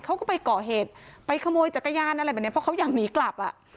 เขาก็ไปก่อเหตุไปขโมยจักรยานอะไรแบบนี้เพราะเขาอยากหนีกลับอ่ะ